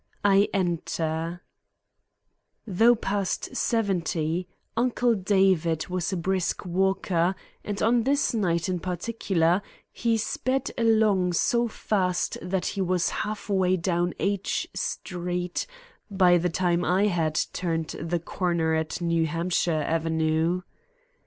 I ENTER Though past seventy, Uncle David was a brisk walker, and on this night in particular he sped along so fast that he was half way down H Street by the time I had turned the corner at New Hampshire Avenue.